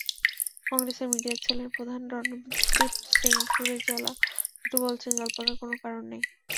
কংগ্রেসের মিডিয়া সেলের প্রধান রণদীপ সিং সুরজেওয়ালা শুধু বলেছেন, জল্পনার কোনো কারণ নেই।